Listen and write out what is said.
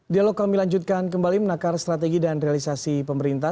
dialog kami lanjutkan kembali menakar strategi dan realisasi pemerintah